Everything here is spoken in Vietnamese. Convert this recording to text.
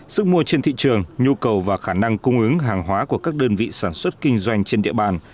sức mua trên thị trường nhu cầu và khả năng cung ứng hàng hóa của các đơn vị sản xuất kinh doanh trên địa bàn